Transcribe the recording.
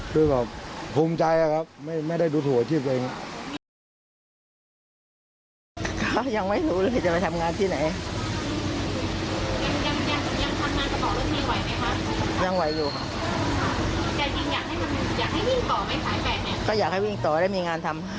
คือแบบภูมิใจอะครับไม่ได้ดูถูกอาชีพตัวเอง